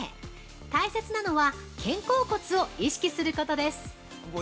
大切なのは肩甲骨を意識することです。